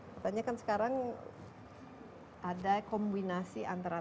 katanya kan sekarang ada kombinasi antara